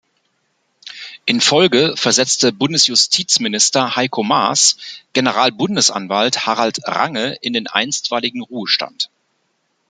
In Folge versetzte Bundesjustizminister Heiko Maas Generalbundesanwalt Harald Range in den einstweiligen Ruhestand.